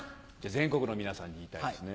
全国の皆さんに言いたいですね。